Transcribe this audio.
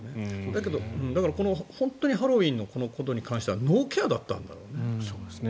だけど、本当にハロウィーンのこのことに関してはノーケアだったんだろうね。